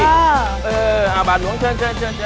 เออเออเอาบาทหวงช่วย